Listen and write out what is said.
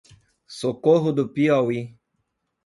Socorro do Piauí